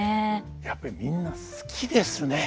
やっぱりみんな好きですね。